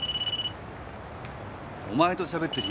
お前としゃべってる